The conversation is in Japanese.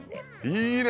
いいね。